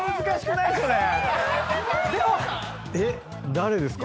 誰ですか？